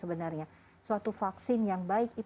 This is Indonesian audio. bahwa vaksin yang baik